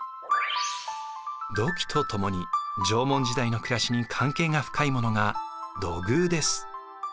土器と共に縄文時代の暮らしに関係が深いものが土偶です。